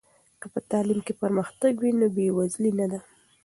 که په تعلیم کې پرمختګ وي، نو بې وزلي نه ده.